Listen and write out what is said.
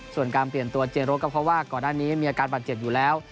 ส่วนการเปลี่ยนเจียนรกก็เพราะก่อนหน้านี้มีปัญญาติเจียนอยู่แล้ว